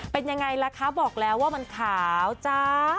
เป็นยังไงล่ะคะบอกแล้วว่ามันขาวจ้า